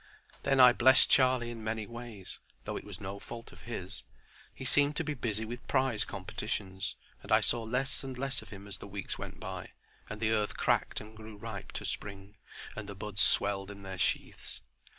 Then I blessed Charlie in many ways—though it was no fault of his. He seemed to be busy with prize competitions, and I saw less and less of him as the weeks went by and the earth cracked and grew ripe to spring, and the buds swelled in their sheaths.